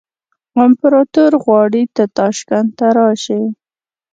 امپراطور غواړي ته تاشکند ته راشې.